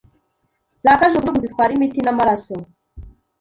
za kajugujugu zitwara imiti namaraso